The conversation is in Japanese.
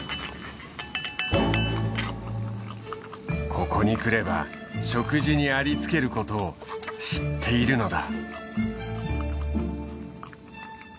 ここに来れば食事にありつけることを知っているのだ。